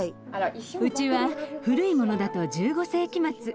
うちは古いものだと１５世紀末。